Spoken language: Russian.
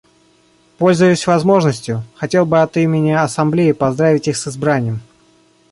Пользуясь возможностью, хотел бы от имени Ассамблеи поздравить их с избранием.